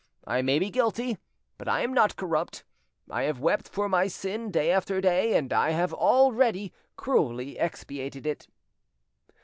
I may be guilty, but I am not corrupt. I have wept for my sin day after day, and I have already cruelly expiated it.